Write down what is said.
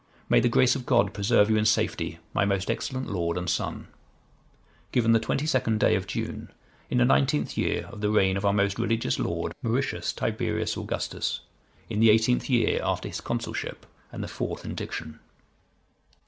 May the grace of God preserve you in safety, my most excellent lord and son. "Given the 22nd day of June, in the nineteenth year of the reign of our most religious lord, Mauritius Tiberius Augustus, in the eighteenth year after his consulship, and the fourth indiction."